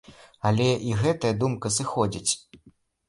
Але і гэтая думка сыходзіць.